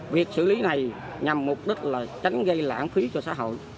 việc xử lý này nhằm mục đích là tránh gây lãng phí cho xã hội